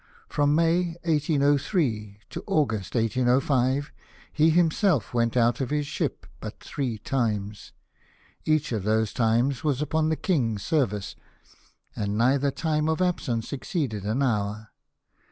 From May, 1803, to August, 1805, he himself went out of his ship but three times ; each of those times was ujDon the King's service, and neither time of absence exceeded an hour.